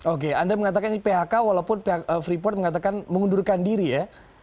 oke anda mengatakan ini phk walaupun pihak freeport mengatakan mengundurkan diri ya